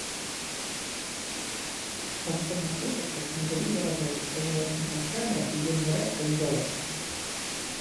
У асобных выпадках медалі выраблялі з пазалочанага срэбра і вельмі рэдка з золата.